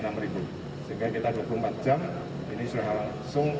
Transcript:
sehingga kita dua puluh empat jam ini sudah langsung akan kita produksi terus